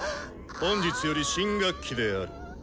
本日より新学期である。